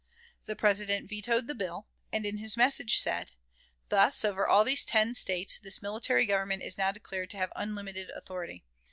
The President vetoed the bill, and in his message said: "Thus, over all these ten States, this military government is now declared to have unlimited authority.